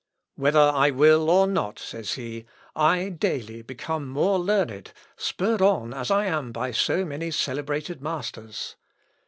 "Whether I will or not," says he, "I daily become more learned, spurred on as I am by so many celebrated masters.